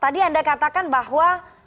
tadi anda katakan bahwa